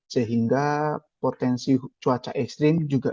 sehingga potensi cuaca ekstrim juga akan meningkat